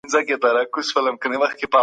موږ جمع بيا تکراروو.